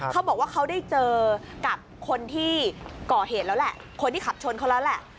เขาบอกว่าเขาได้เจอกับคนที่ก่อเหตุแล้วแหละคนที่ขับชนเขาแล้วแหละ